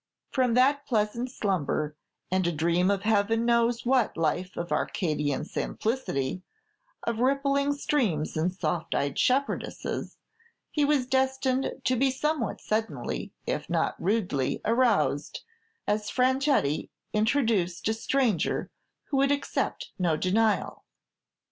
From that pleasant slumber, and a dream of Heaven knows what life of Arcadian simplicity, of rippling streams and soft eyed shepherdesses, he was destined to be somewhat suddenly, if not rudely, aroused, as Franchetti introduced a stranger who would accept no denial.